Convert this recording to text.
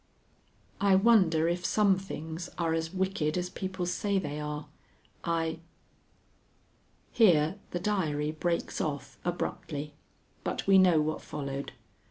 I wonder if some things are as wicked as people say they are. I Here the diary breaks off abruptly. But we know what followed.